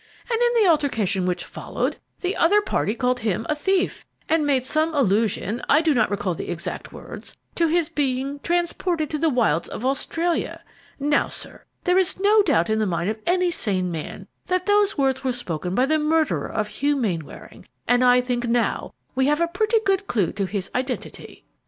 And in the altercation which followed, the other party called him a 'thief,' and made some allusion I do not recall the exact words to his being 'transported to the wilds of Australia.' Now, sir, there is no doubt in the mind of any sane man that those words were spoken by the murderer of Hugh Mainwaring, and I think now we have a pretty good clue to his identity."